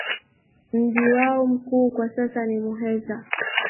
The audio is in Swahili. Mji wao mkuu kwa sasa ni Muheza.